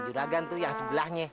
juragan tuh yang sebelahnya